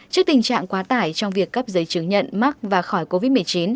trước tình trạng quá tải trong việc cấp giấy chứng nhận mắc và khỏi covid một mươi chín